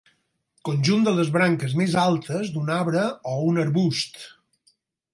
Conjunt de les branques més altes d'un arbre o un arbust.